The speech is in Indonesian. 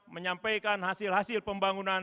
menyampaikan hasil hasil pembangunan